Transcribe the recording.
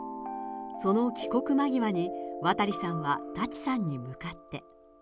その帰国間際に渡さんは舘さんに向かって。